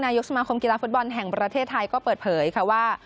ยกสมาคมกีฬาฟุตบอลแห่งประเทศไทยก็เปิดเผยค่ะว่า